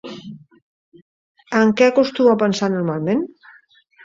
En què acostumo a pensar normalment?